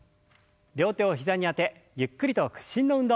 両手を膝にあてゆっくりと屈伸の運動。